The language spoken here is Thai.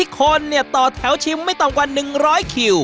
คนต่อแถวชิมไม่ต่ำกว่า๑๐๐คิว